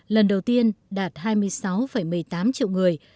lần đầu tiên đạt hai mươi sáu một mươi tám triệu người